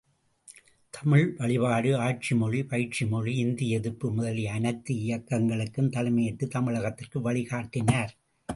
தமிழ் வழிபாடு, ஆட்சி மொழி, பயிற்றுமொழி, இந்திஎதிர்ப்பு முதலிய அனைத்து இயக்கங்களுக்கும் தலைமையேற்று தமிழகத்திற்கு வழிகாட்டினார்.